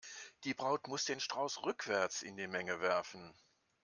Die Braut muss den Strauß rückwärts in die Menge werfen.